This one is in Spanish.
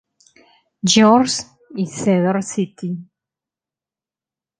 George y Cedar City.